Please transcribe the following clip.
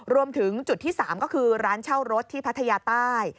รวมถึงจุดที่๓ก็คือร้านเช่ารถที่พัทยาใต้